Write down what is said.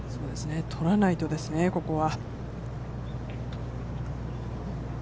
とらないとですね、ここは。